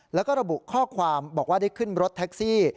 แล้วก็ระบุข้อความบอกว่าได้ขึ้นรถแท็กซี่